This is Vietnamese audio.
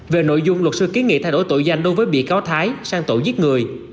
về nội dung luật sư kiến nghị thay đổi tội danh đối với bị cáo thái sang tội giết người